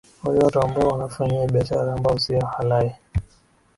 wale watu ambao wanafanyia biashara ambao sio halai